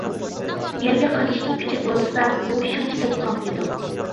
يەرگە قانچىكى كۈچەپ ئۇرۇلسا، ئۇ شۇنچە بەك قاڭقىيدۇ.